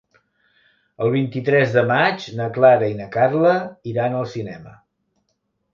El vint-i-tres de maig na Clara i na Carla iran al cinema.